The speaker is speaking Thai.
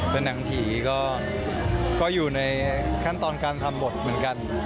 เป็นหนังผีก็อยู่ในขั้นตอนการทำหมดเหมือนกัน